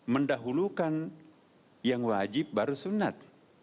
mendahulukan yang wajib baru sunat